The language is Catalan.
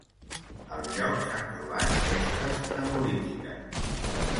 Al lloc s'han trobat restes neolítiques.